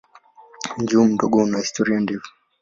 Mji huu mdogo una historia ndefu.